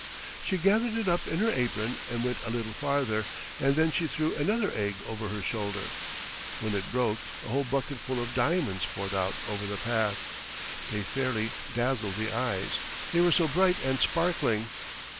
She gathered it up in her apron and went a little farther, and then she threw another egg over her shoulder. When it broke a whole bucket full of diamonds poured out over the path. They fairly dazzled the eyes, they were so bright and sparkling.